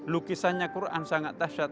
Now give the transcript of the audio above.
lukisannya quran sangat dahsyat